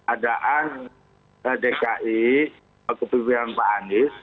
ada dki kepemimpinan pak andis